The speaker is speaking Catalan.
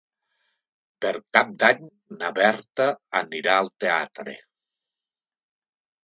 Per Cap d'Any na Berta anirà al teatre.